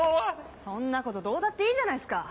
そんなことどうだっていいじゃないすか。